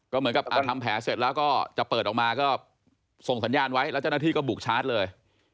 ก็เหมือนกับทำแผลเสร็จแล้วก็จะเปิดออกมาก็ส่งสัญญาณไว้แล้วเจ้าหน้าที่ก็บุกชาร์จเลย